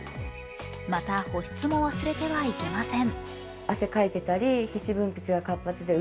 また、保湿も忘れてはいけません。